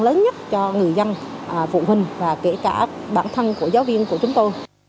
lớn nhất cho người dân phụ huynh và kể cả bản thân của giáo viên của chúng tôi